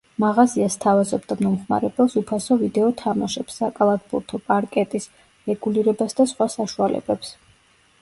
მაღაზია სთავაზობდა მომხმარებელს უფასო ვიდეო თამაშებს, საკალათბურთო პარკეტის რეგულირებას და სხვა საშუალებებს.